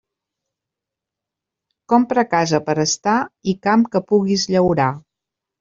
Compra casa per a estar i camp que pugues llaurar.